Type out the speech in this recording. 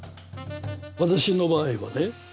私の場合はね